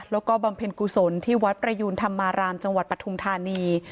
แล้วก็บำเพ็ญกุศลที่วัดประยูนธรรมารามจังหวัดปทุมธานี